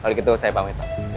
kalau begitu saya pamit pak